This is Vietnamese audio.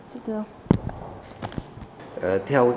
xin thưa ông